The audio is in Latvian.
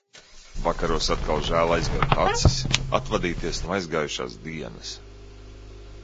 Vakaros atkal žēl aizvērt acis, atvadīties no aizgājušās dienas.